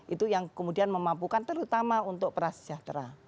itu yang kemudian memampukan terutama untuk prasejahtera